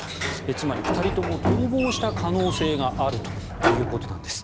つまり２人とも逃亡した可能性があるということです。